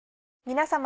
皆様。